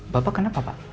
bapak kenapa pak